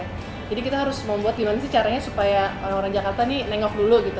jadi kita harus membuat gimana sih caranya supaya orang orang jakarta nih nengok dulu gitu